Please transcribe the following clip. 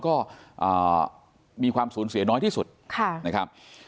ก็มีความสูญเสียน้อยที่สุดนะครับ